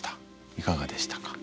いかがでしたか？